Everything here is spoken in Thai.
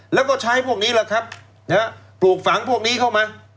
แล้วก็ใช้พวกนี้แหละครับปลูกฝังพวกนี้เข้ามา